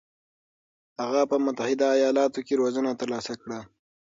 هغه په متحده ایالاتو کې روزنه ترلاسه کړه.